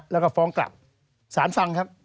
แล้วก็ฟ้องกลับสารฟังครับ